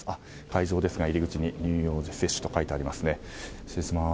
会場ですが入口に乳幼児接種と書いてありますね。